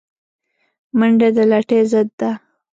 منډه د لټۍ ضد ده